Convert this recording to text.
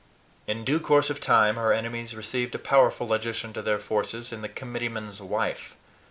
In due course of time, her enemies received a powerful addition to their forces in the committeeman's wife.